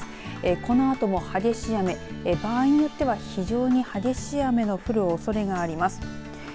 このあとも激しい雨、場合によっては非常に激しい雨の降るおそれがあります。